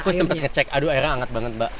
aku sempat ngecek aduh airnya hangat banget mbak